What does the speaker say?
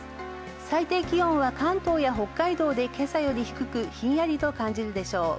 最低気温は関東や北海道で今朝より低く、ひんやりと感じるでしょう。